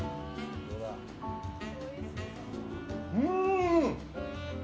うん！